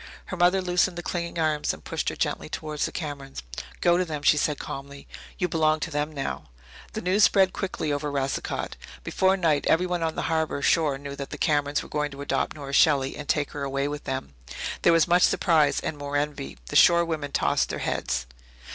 Her mother loosened the clinging arms and pushed her gently towards the Camerons. "Go to them," she said calmly. "You belong to them now." The news spread quickly over Racicot. Before night everyone on the harbour shore knew that the Camerons were going to adopt Nora Shelley and take her away with them. There was much surprise and more envy. The shore women tossed their heads.